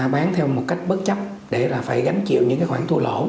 bán theo một cách bất chấp để phải gánh chịu những khoản thua lỗ